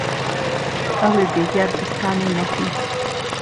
Ew ê bêriya dibistanê nekin.